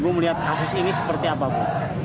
ibu melihat kasus ini seperti apa bu